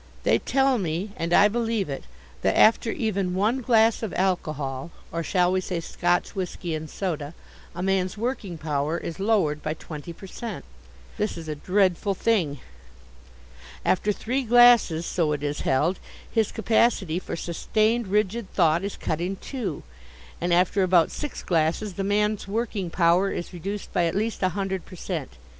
They tell me and I believe it that after even one glass of alcohol, or shall we say Scotch whisky and soda, a man's working power is lowered by twenty per cent. This is a dreadful thing. After three glasses, so it is held, his capacity for sustained rigid thought is cut in two. And after about six glasses the man's working power is reduced by at least a hundred per cent.